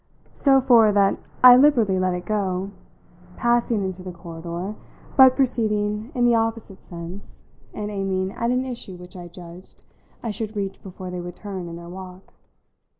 So for that I liberally let it go, passing into the corridor, but proceeding in the opposite sense and aiming at an issue which I judged I should reach before they would turn in their walk.